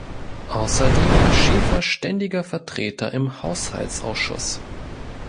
Außerdem war Schäfer ständiger Vertreter im Haushaltsausschuss.